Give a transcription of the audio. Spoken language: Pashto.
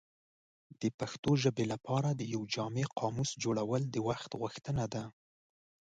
د پښتو ژبې لپاره د یو جامع قاموس جوړول د وخت غوښتنه ده.